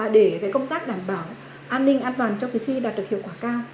để công tác đảm bảo an ninh an toàn cho kỳ thi đạt được hiệu quả cao